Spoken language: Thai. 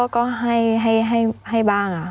ก็ให้บ้าง